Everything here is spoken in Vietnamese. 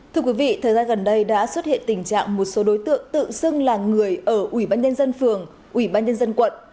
thưa quý vị thời gian gần đây đã xuất hiện tình trạng một số đối tượng tự xưng là người ở ủy ban nhân dân phường ủy ban nhân dân quận